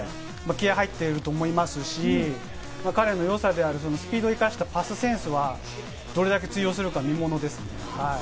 今日、Ａ代表初試合となると思うので気合入っていると思いますし、彼の良さであるスピードを生かしたパスセンスはどれだけ通用するか見ものですね。